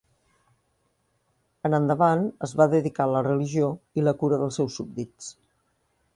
En endavant es va dedicar a la religió i la cura dels seus súbdits.